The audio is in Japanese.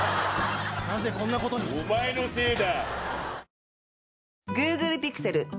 なぜこんなことにお前のせいだ